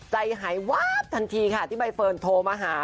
ใจหายวาบทันทีค่ะที่ใบเฟิร์นโทรมาหา